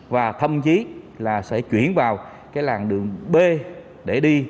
và thậm chí là sẽ chuyển vào cái làng đường b để đi